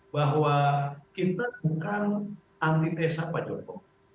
bahwa kita bukan antitesa pak joko